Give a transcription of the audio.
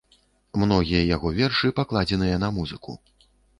Многія яго вершы пакладзеныя на музыку.